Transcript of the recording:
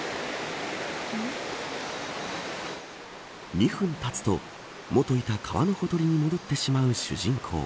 ２分たつと、元いた川のほとりに戻ってしまう主人公。